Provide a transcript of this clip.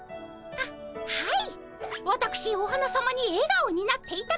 はっはい。